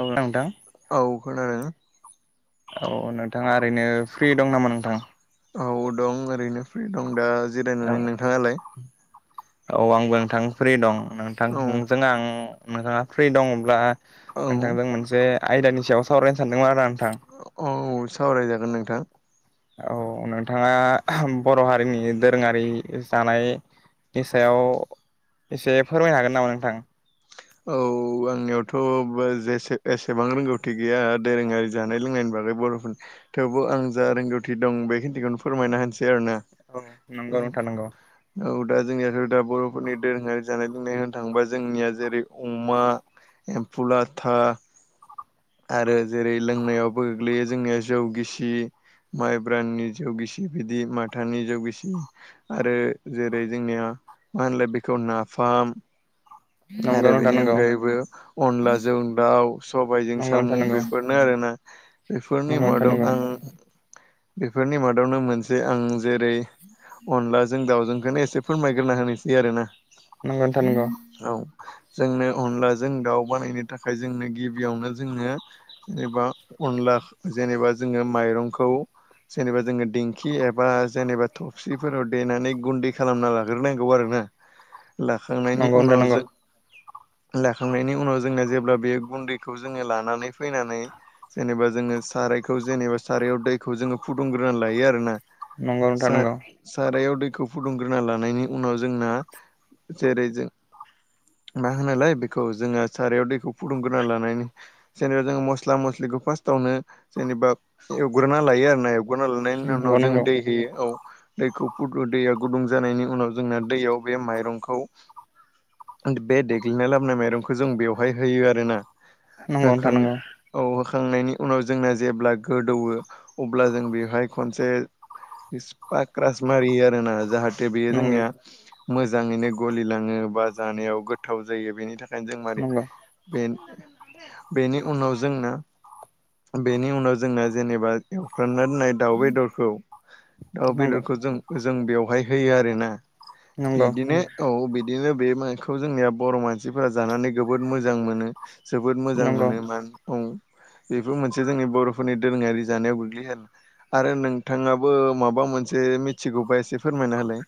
औ नोंथां । खनादों । औ नोंथाङा ओरैनो फ्रि दं नामा नोंथां । औ दं ओरैनो फ्रि दं दा औ जिरायनानै नोंथाङालाय औ आंबो नोंथां फ्रि दं औ नोंथांजों आं नोंथाङा फ्रि दङब्ला औ नोंथांजों मोनसे आयदानि सायाव सावरायनो सानदोंमोन आरो आं । औ सावरायजागोन नोंथां । औ नोंथाङा बर' हारिनि दोरोङारि जानाय नि सायाव एसे फोरमायनो हागोन नामा नोंथां? औ आंनियावथ' जेसे एसेबां रोंगौथि गैया दोरोङारि जानाय लोंनायनि बा आरो बर'फोर थेवबो आं जा रोंगौथि दं बे खिथिखौनो फोरमायना होनसै आरो ना । औ नोंगौ नोंथां नोंगौ । औ दा जोंनियाथ' दा बर'फोरनि दोरोङारि जानाय लोंनाय होननो थाङोबा जोंनिया जेरै अमा एम्फौ लाथा आरो जेरै लोंनायावबो गोग्लैयो जोंनिया जौ गिसि माइब्राननि जौ गिसि बिदि माथानि जौ गिसि आरो जेरै जोंनिया मा होनोलै बेखौ नाफाम नंगौ आरो नोंथां बेनि नंगौ अनगायैबो अनलाजों दाउ सबायाइजों नंगौ साम' नोंथां नंगौ बेफोरनो आरोना । बेफोरनि नंगौ नोंथां मादाव आं बेफोरनि मादावनो मोनसे आं जेरै अनलाजों दाउजोंखोनो एसे फोरमायग्रोना होनोसै आरो ना नंगौ नोंथां नंगौ । औ जोंनो अनला जों दाउ बानायनो थाखाय जोंनो गिबियावनो जोंङो। बा अनला जेनेबा जोङो माइरंखौ जेनेबा जोङो दिंखि एबा जेनेबा थफसिफोराव देनानै गुन्दै खालामना लाग्रोनांगौ आरोना । लाखांनायनि उनाव जानांगौ जों लाखांनायनि उनाव जोंना जेब्ला बे गुन्दैखौ जोङो लानानै फैनानै जेनेबा जोङो सारायखौ जेनेबा सारायाव दैखौ जोङो फुदुंग्रोनानै लायो आरो ना नंगौ नोंथां नंगौ सा-सारायाव खौ फुदुंग्रोना लानायनि उनाव जोंना जेरै जों मा होनोलाय बेखौ जोङो सारायाव दैखौ फुदुंग्रोना लानाय जेनेबा जोंङो मस्ला मस्लिखखो फासतावनो जेनेबा एवग्रोना लायो आरोना हगारना लानायनि उनाव नंगौ जोङो दै नोंथां होयो औ दैखौ दै गुदुं जानायनि उनाव जोंना दैयाव बे माइरंखौ बे देग्लिनाय लाबोनाय माइरंखौ जों बेवहाय होयो आरोना नंगौ नंगौ नोंथां होखां नंगौ औ हो खांनायनि उनाव जोंनो जेब्ला गोदौवो अब्ला जों बेवहाय खनसे बिस पाक्रास मारि आरो ना जाहा ते बेयो जोंनिया नंगौ मोजाङैनो गलिलांङो बा जानायाव गोथाव जायो बेनि थाखाय नंगौ [unintelligible] बेनि उनाव जोंना बेनि उनाव जोंना जेनेबा एवफ्रानना होननाय दाउ बेदरखौ दाउ नंगौ बेदरखौ जों जों बेवहाय होयो आरोना नंगौ बिदिनो औ बिदि नो बे माइखौ जोंनिया बर' मानसिफोरा जानानै जबोद मोजां मोनो जोबोद मोजां नंगौ मोनो मा औ बेफोर मोनसे जोंनि बर'फोरनि दोरोङारि जानायाव गोग्लैयो आरो नोंथाङाबो माबा मोनसे मिथिगौबा एसे फोरमायना होलाय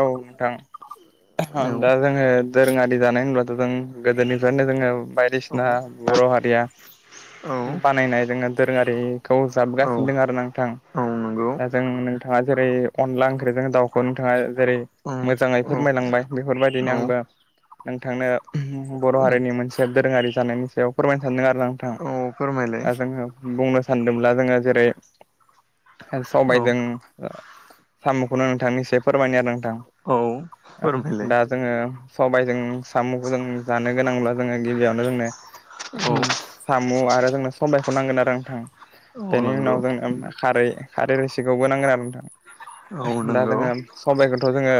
औ नोंथां दा औ जोंङो दोरोङारि जानाय होनब्लाथ' जों गोदोनिफ्रायनो जोंङो बायदिसिना औ बर' हारिया औ बानायनाय जोंङो दोरोंङारि खौ औ जाबगासिनो दों आरो नोंथां औ नंगौ दा जों नोंथाङा जेरै अनला ओंख्रिजों दाउखौ नोंथाङा जेरै औ मोजाङै औ फोरमायलांबाय बेफोरबायदिनो आंबो नोंथांनो बर' औ हारिनि मोनसे दोरोङारि जानायनि सायाव फोरमायननो सानदों आरोना नोंथां औ फोरमायलाय दा जोङो बुंनो सानदोंब्ला जोङो जेरै - औ सबायजों साम'खौनो नोंथांनो एसे फोरमायनो आरो औ फोरमायलाय दा जोङो सबायजों साम'खौ जों जानो गोनांब्ला जोङो गिबियावनो जोंनो औ साम' आरो जोंनो सबायखौ नांगोन आरो नोंथां औ बेनि नंगौ उनाव जोंनो खारै खारै रोसिखौबो नांगोन आरो औ नोंथां दा नंगौ जोङो सबायाइखौथ' जोङो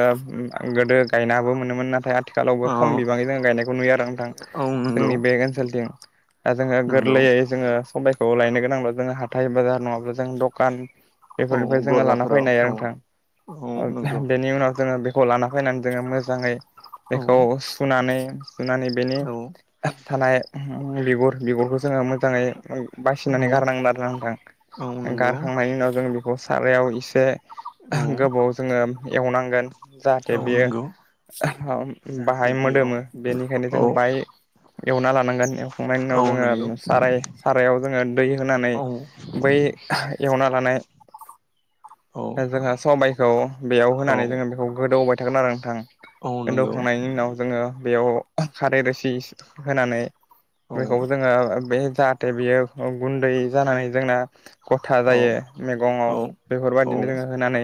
गोदो गायनाबो मोनोमोन नाथाय आथिखालावबो औ खम बिबाङै जों गायनायखौ नुयो आरो नोंथां औ नंगौ जोंनि बे ओनसोलथिं दा जोङो नंगौ गोरलैयै जोङो सबायखौ लायनो गोनांब्ला जोङो हाथाय बाजार नङाब्ला जों दखान औ बेफोरनिफ्राय जोङो लाना गलाफोराव फैनाय आरो औ औ नोंथां नंगौ बेनि उनाव जोङो बे खौ लाना फैनानै जोङो मोजाङै औ बेखौ सुनानै सुनानै बेनि औ थानाय बिगुर बिगुरखौ जोङो मोजाङै बासिनानै औ गारनांदार नोंथां औ नंगौ गारखांनायनि उनाव जों बेखौ सारायाव एसे औ गोबाव जोङो एवनांगौ। जाहाथे औ बेयो नंगौ [unintelligible] जाहाथे बाहाय बेयाव मोदोमो बेनिखायनो जों औ बाय एवना लानांगोन एवखांनायनि उनाव औ नंगौ जोङो साराय सारायाव जोङो दै होनानै औ बै एवना लानाय औ जोंहा सबायखौ बेयाव औ होनानै जोङो बेखौ गोदौबाय थागोन आरो नोंथां। औ गोन्दौ नंगौ खांनायनि उनाव जोङो बेयाव खारै रोसि होनानै औ बेखौ जोङो बे जाहाथे बियो गुन्दै जानानै जोंना गथा औ जायो। मैगङाव औ बेफोर बायदिनो जोङो होनानै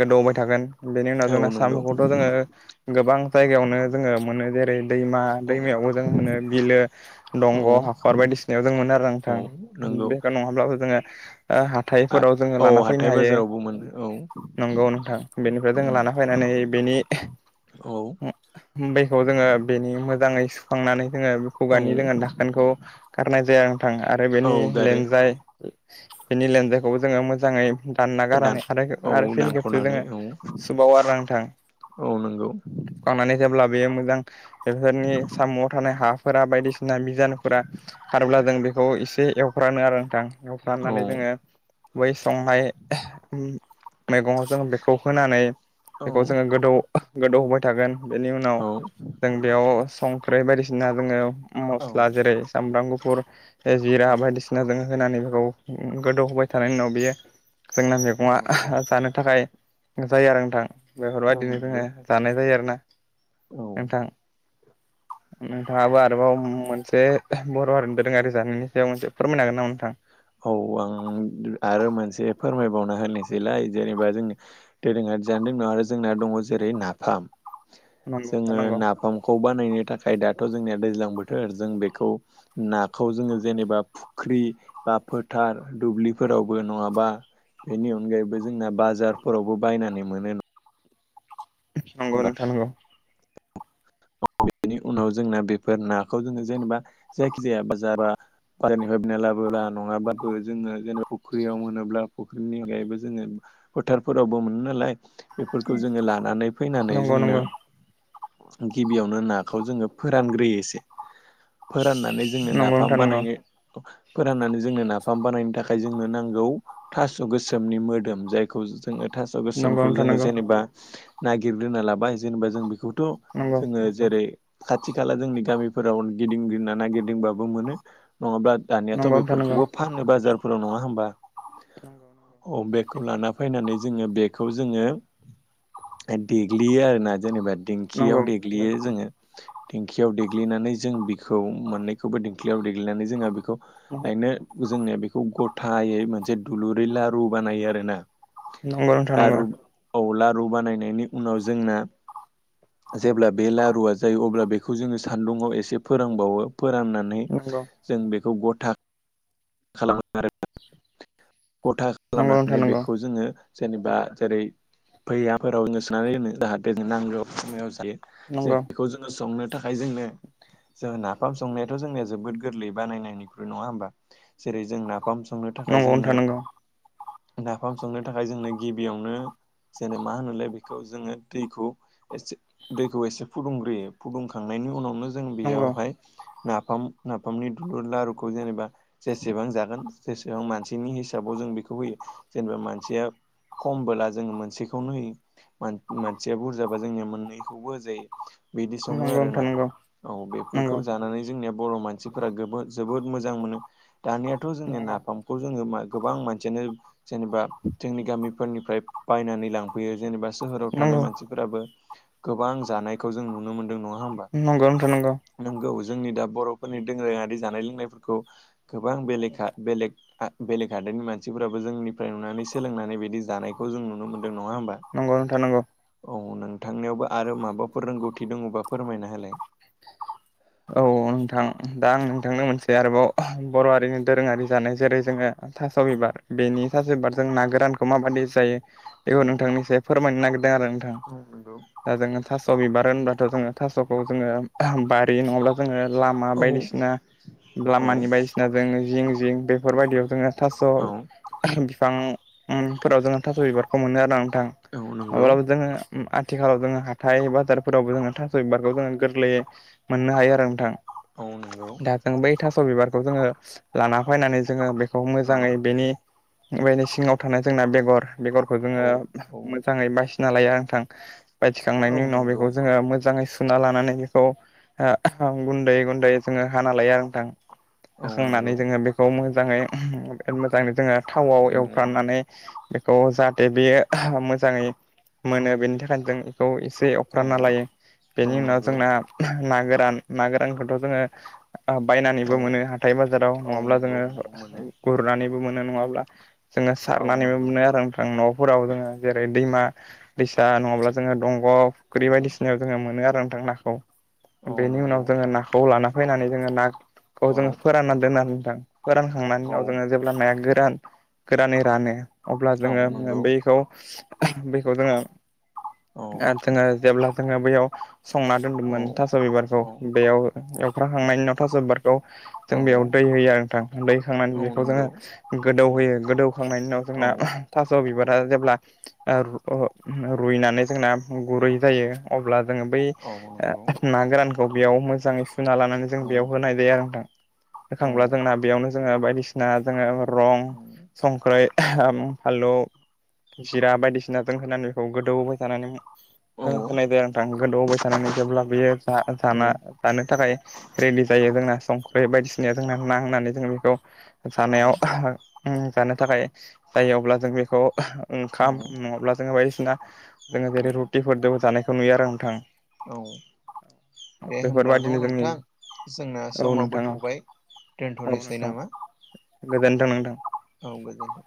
गोदौबाय थागोन। बेनि उनाव औ जोंना नंगौ सामु खौथ जोङो गोबां जायगायावनो जोङो मोनो जेरै दैमा औ दैमायावबो जों मोनो बिलो औ दंग' हाखर बायदि सिनायाव जों मोनो आरो औ नोंथां। नंगौ बे नङाब्लाबो जोङो ओ हाथाय फोराव जोङो औ लाना फैनो हाथाय हायो। बाजारावबो मोनो नंगौ नोंथां बेनिफ्राय जों लाना फैनानै बेनि औ बेखौ जोङो बेनि मोजाङै सुखांनानै जोङो बे औ खुगानि जोङो दाखोनखौ गारनाय जायो। थां आरो औ बेनि बेनि गारो लेन्जाइ बिनि लेनजाइ खौबो जोङो मोजाङै रानना दान गारनानै आरो औ आरो फिन खेबसे दानख'नानै जोङो औ सुबावो आरो ना नोंथां। औ नंगौ। सुखांनानै जेब्ला बेयो मोजां बेफोरनि साम'आव थानाय हाफ फोरा बायदिसिना बिजानु फोरा खारोब्ला जों बेखौ एसे एवफ्रानो आरो नोंथां। औ एवफ्रामनानै जोङो बै संनाय मैगङाव जों बेखौ होनानै बेखौ जोङो गोदौ गोदौ होबाय थागोन। बेनि उनाव औ जों बेयाव संख्रै बायदिसिना जोङो औ मस्ला जेरै सामब्राम गुफ फुर जिरा नंगौ बायदिसिना जों होनानै बेखौ गोदौहाय थानायनि उनाव बियो जोंना औ मैगङा [unintelligible] नंगौ जानो थाखाय जायो आरो नोंथां। बेफोर औ बायदिनो जोङो जानाय जायो आरोना नोंथां। [inaudible] नोंथाङाबो आरोबाव मोनसे बर' हारि दोरोङारि जानायनि सायाव मोनसे फोरमायनो हागोन नामा नोंथां? औ आं आरो मोनसे फोरमाय बावना होनोसै लाय जेनेबा जोंनि दोरोङारि जानदों आरो जोंना दङ जेरै नाफाम नोंथां जोङो नंगौ नाफामखौ बानायनो थाखाय दाथ जोंनिया दैज्लां बोथोर जों बेखौ नाखौ जोङो जेनेबा फुख्रि बा फोथार फोरावबो नङाबा बेनि अनगायैबो जोंना बाजार फोरावबो बायनानै मोनो। नंगौ होमबा नोंथां नंगौ। [inaudible] बेनि उनाव जोंना बेफोर नाखौ जोङो जेनेबा जायखि जाया बा जाबा जेनबा [unintelligible] नङा बाबो जोङो जेबा फुख्रियाव मोनोब्ला फुख्रिनि अनगायैबो जोङो फोथार फोराव बो मोनो नालाय बेफोरखौ जोङो लानानै फैनानै नंगौ जोंनो गिबियावनो नाखौ जोङो फोरानग्रोयो एसे। फोराननानै जोंनो नाफाम नोंथां नंगौ बानायनो। फोराननानै जोंनो नाफाम बानायनो थाखाय जोंनो नांगौ थास गोसोमनि मोदोम जायखौ जोङो थास' नंगौ गोसोमखौ जोङो नंगौ जेनेबा नागिरग्रोना लाबाय जेनेबा जों बेखौ खौ जोङो जेरै खाथि खाला जोंनि गामि फोराव गिदिं दिंना नागिरदिंबाबो मोनो। नङाब्ला दानियाथ‌ नंगौ नोंथां नंगौ नोंथां नंगौ बेफोरखौबो फानो बाजार फोराव नङा होमबा? नोंगौ। अ बेेखौ लाना फैनानै जोङो बेखौ जोङो देग्लियो आरो ना जेनेबा नंगौ दिेंखियाव देग्लियो जोङो। दिंखियाव देग्लिनानै जों बिखौ मोननैखौबो दिंखियाव देग्लिनानै जोंहा बेखौ खायनो जोंनो बेखौ गथायै मोनसे दुलुरै लारु बानायो आरो ना नंगौ नोंथां नंगौ औ लारु बानायनायनि उनाव जोंना जेब्ला बे लारुआ जायो अब्ला बेखौ जोङो सान्दुङाव एसे फोरोंबावो फोराननानै नंगौ जों बेखौ गथा खालामो आरो गथा नंगौ नोंथां खालामनानै नंगौ बेखौ जोङो जेनेबा जेरै फैयाफोराव होसोनानै दोनो जाहाथे नांगौ समायाव जियो जे नंगौ बेखौ जोङो संनो थाखाय जोंनो जों नाफाम संनायाथ जोंनिया जोबोद गोरलै बानायनायनिख्रुइ नङा होनबा जेरै जों नाफाम संनो थाखाय नंगौ नोंथां नंगौ जोंनोक्ष नाफाम संनो थाखाय जोंनो गिबियावनो जेने मा होनोलाय बेखौ जोङो दैखौसे दैखौ एसे फुदुंग्रोयो फुदुंखांनाय बेनि उनावनो जों नंगौ बेयावहाय नाफाम नाफामनि दुलुर लारुखौ जेनेबा जेसेबां जागोन जेसेबां मानसिनि हिसाबाव जों बेखौ होयो जेनेबा मानसिया खमबोला जोंङो मोनसेखौनो होयो मानसेया बुरजाबा जोंनि मोननैखौबो होजायो बिदि सङो नंगौ आरो नोंथां ना नंगौ औ बेफोरखौ जानानै जोंनियायाव बर मानसिफोरा जोबोद मोजां मोनो दानियाथ' जोंनि नाफामखौ जोङो म गोबां मानसियानो जेनेबा जोंनि गामिफोरनिफ्राय बायनानै लांफैयो जेनेबा सोहोराव थानाय नंगौ मानसिफोराबो गोबां जानायखौ जों नुनो मोनदों नङा हा नंगौ नंगौ नोंथां नंगौ नंगौ जोंनि दा बरफोरनि दोरोङारि जानाय लोंनायफोरखौ गोबां बेले बेलेग बेलेग हादोरनि मानसिफोराबो जोंनिफ्राय नुनानै सोलोंनानै बिदि जानायखौ जों नुनो मोनदों नङा होनबा नंगौ नोंथां नंगौ औ नोंथांनियावबो आरो माबाफोर रोंगौथि दङबा फोरमायना होलाय औ नोंथां दा आं नोंथांनो मोनसे आरोबाव बर' हारिनि दोरोङारि जानाय जेरै जोङो थास औ बिबार बेनि थास बिबारजों ना गोरानखौ माबायदि जायो बेखौ नोंथांनिस फोरमायनो नागिरदों आरो नोंथां औ नंगौ दा जोंनो थास बिबार होनबा जोङो थासखौ जोङो बारि नङाब्ला जोङो लामा औ बायदिसिना औ लामानि बायदिसिना जों जिं जिं बेफोर बायदियाव जोो थास औ बिफांफोराव जोङो थास' बिबारखौ मोनो आरो आं थां औ नंगौ माब्लाबो जोङो आथिखालाव जोङो हाथाइ बाजारफोरावबो जोङो थानास' बिबारखौ जोङो गोरलैयै मोननो हायो आरो नोंथां औ नंगौ दा जों बै थास' बिबारखौ जोङो लाना फैनानै जोङो बेखौ औ मोजाङै बेनि बेनि सिङाव थानाय जोंना बेगर बेगरखौ जोङो औ औ मोजाङै बासि थिना लायो नोंथां औ बायदिखांनायनि उनाव नंगौ बेखौ जोङो मोजाङै सुना लानानै बेखौ गुन्दै गुन्दै जोङो हाना लायो आरो नोंथां औ हाखांनानै नंगौ जोङो बेखौ मोज जाङै मोजाङै जोङो औ थावआव एवफ्रांनानै खौ जाहाथे बेयो मोजाङै मोनो बेनि थाखायनो जों खौ एसे एवफ्रामना लायो औ बेनि उनाव नंगौ जोंना ना गोरान ना गोरानखौथ' जोङो औ बायनानैबो मोनो हाथाय बाजाराव औ नङाब्ला नंगौ जोङो नंगौ मोनो गुरनानैबो मोनो नङाब्ला जोङो औ सारनानैबो नंगौ मोनो आरो नोंथां न'आव फोराव जोङो जेरै दैमा दैसा नङाब्ला जोङो दंग' औ फुख्रि बायदिसिनायाव जोङो मोनो आरो थां नाखौ औ बेनि नंगौ उनाव जोङो नाखौ लाना फैनानै जोङो नाखौ औ जोङो फोराननानै दोननानै फोरानखांनायनि औ उनाव जोङो जेब्ला गोरान गोरानै रानो अब्ला औ जोङो नंगौ बैखौ बैखौ जोङो औ जोङो जेब्ला जोङो बैयाव संना औ दोन्दोंमोन थास' बिबारखौ औ बेयाव एवख्रांखांनायनि उनाव थास' बिबारखौ बेखौ औ जों बेयाव दै होयो आरो नोंथां दैखांनानै औ बेखौ जोङो नंगौ गोदौ होयो गोदौ खांनायनि उनाव औ जोंना थास बिबार ओ जेब्ला रुइनानै जोंना गुरै जायो अब्ला जों बै औ नंगौ ओ ना गोरानखौ बे मोजाङै सुना लानानै ज औ होनाय जायो औ होखांब्ला जोंना बेयावनो जोङो बायदिसिना जोङो रं संख्रै फालौ जिरा बायदिसिना जों होनानै बेखौ गोदौहोबाय थानानै औ होनायदो नोंथां गोदौहोबाय थानानै जेब्ला बेयो जा जानो थाखाय रेडि जायो जोंना सम बे बायदिसिनाय जोंना नांनानै जों बेखौ औ जानायाव जानो थाखाय जायो अब्ला जों बेखौ औ ओंखाम नङाब्ला जोङो बायदिसिना जोङो जेरै रुटिफोरदो जानाय खौ नुयो आरो नोंथां । औ दे होमब्ला न' बेफोरबायदिनो जोंनि नोंथां जोंना औ समाबो नोंथां औ थौबाय। दोन्थ'नोसै नामा? गोजोन्थों नोंथा। औ गोजोन्थों।